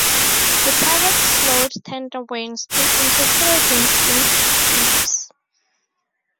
The target slowed, turned away, and split into three distinct blips.